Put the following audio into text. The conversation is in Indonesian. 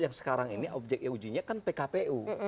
yang sekarang ini objek yang diujinya kan pkpu